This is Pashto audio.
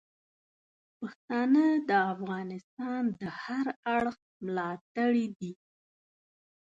پښتانه د افغانستان د هر اړخ ملاتړي دي.